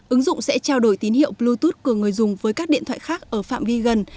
ứng dụng sẽ trao đổi tín hiệu bluetooth của người dùng với các điện thoại khác ở phạm vi gần